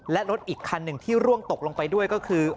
และรถอีกคันหนึ่งที่ร่วงตกลงไปด้วยก็คือ